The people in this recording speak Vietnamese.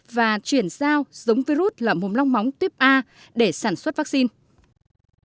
và chuyển giao giống virus là mồm long móng tuyếp a để sản xuất vaccine